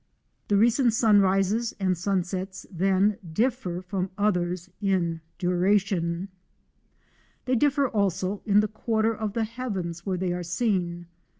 The recent sunrises and sunsets then differ from others in duration. They differ also in the quarter of the heavens where they are seen.